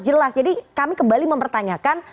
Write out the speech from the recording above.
jelas jadi kami kembali mempertanyakan